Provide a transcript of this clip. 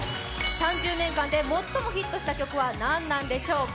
３０年間で最もヒットした曲は何なんでしょうか？